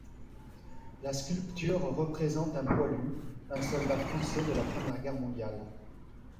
La sculpture représente un poilu, un soldat français de la Première Guerre mondiale.